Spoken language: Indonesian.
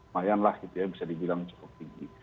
jadi itu tidak lumayan lah bisa dibilang cukup tinggi